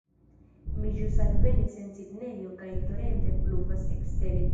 Mi ĵus alvenis en Sidnejo kaj torente pluvas ekstere